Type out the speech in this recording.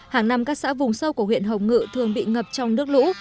hàng năm các xã vùng sâu của huyện hồng ngự thường bị ngập trong nước lũ